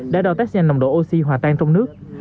đã đào test nhanh nồng độ oxy hòa tan trong nước